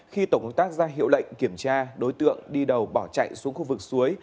khi tổ công tác ra hiệu lệnh kiểm tra đối tượng đi đầu bỏ chạy xuống khu vực suối